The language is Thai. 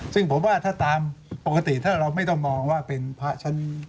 ซึ่งผมว่าถ้าตามปกติถ้าเราไม่ต้องมองว่าเป็นพระชั้น